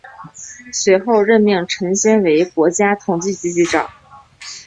随后任命陈先为国家统计局局长。